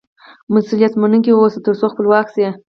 مسئولیت منونکی واوسه، تر څو خپلواک سې.